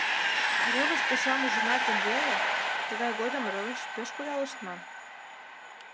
Рывыж кышам ужынат гын веле, тыгай годым рывыж пеш кудалыштман.